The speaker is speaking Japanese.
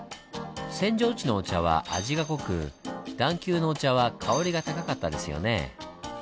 扇状地のお茶は味が濃く段丘のお茶は香りが高かったですよね。